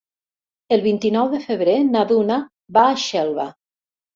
El vint-i-nou de febrer na Duna va a Xelva.